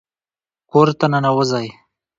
کور ته ننوځئ